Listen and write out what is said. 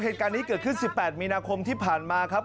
เหตุการณ์นี้เกิดขึ้น๑๘มีนาคมที่ผ่านมาครับ